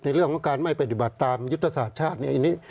ในเรื่องของการไม่ปฏิบัติตามยุตภาษาชาตินี่